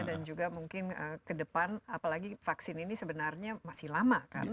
dan juga mungkin ke depan apalagi vaksin ini sebenarnya masih lama kan